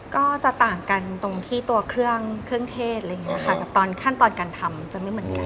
ก็จะต่างกันตรงที่ตัวเครื่องเครื่องเทศอะไรอย่างนี้ค่ะกับตอนขั้นตอนการทำจะไม่เหมือนกัน